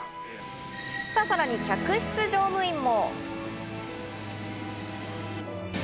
さらに客室乗務員も。